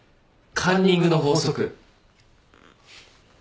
カンニングの法則。